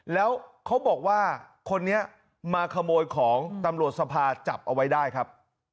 แล้วเขาบอกว่าคนนี้มาขโมยของตำรวจสภาจับเอาไว้ได้ครับ